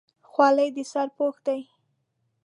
خولۍ د سر پوښ دی.